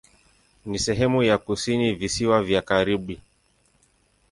Ni sehemu ya kusini Visiwa vya Karibi.